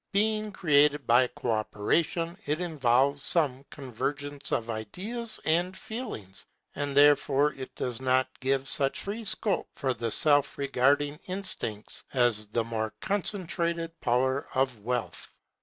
Being created by co operation, it involves some convergence of ideas and feelings, and therefore it does not give such free scope for the self regarding instincts as the more concentrated power of wealth.